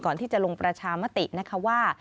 ก่อนที่จะลงประชามตินะคะว่า